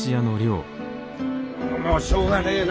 もうしょうがねえな。